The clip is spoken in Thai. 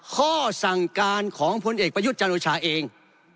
ข้อสั่งการของพลเอกประยุทธ์จันโอชาเอง